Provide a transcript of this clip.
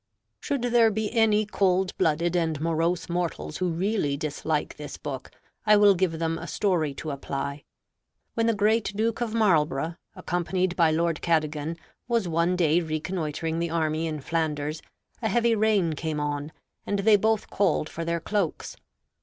Should there be any cold blooded and morose mortals who really dislike this book, I will give them a story to apply. When the great Duke of Marlborough, accompanied by Lord Cadogan, was one day reconnoitring the army in Flanders, a heavy rain came on, and they both called for their cloaks.